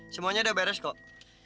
semuanya udah beres kok